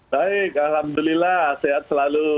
baik alhamdulillah sehat selalu